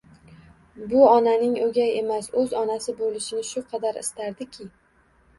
Bu onaning o'gay emas, o'z onasi bo'lishini shu qadar istardiki...